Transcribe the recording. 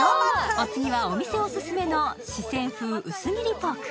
お次はお店オススメの四川風薄切りポーク。